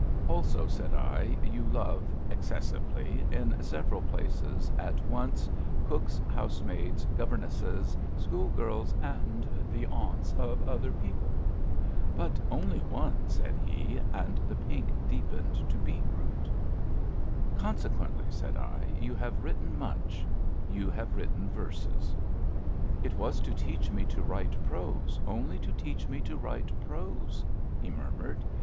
Also," said I, " you love, excessively, in sev eral places at once cooks, housemaids, governesses, schoolgirls and the aunts of other people." But one only," said he, and the pink deepened to beetroot. '' THE BETEAYAL OF CONFIDENCES '' 277 Consequently,'* said I, ^* you have written much — ^you have written verses. 'It was to teach me to write prose, only to teach me to write prose,*' he murmured.